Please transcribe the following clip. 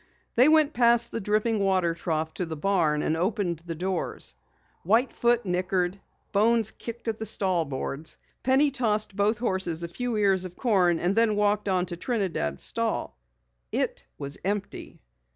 They went past the dripping water trough to the barn and opened the doors. White Foot nickered. Bones kicked at the stall boards. Penny tossed both horses a few ears of corn and then walked on to Trinidad's stall. It was empty.